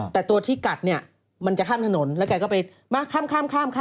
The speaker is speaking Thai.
แต่ตัวที่กัดมันจะข้ามถนนแล้วแกก็ไปข้าม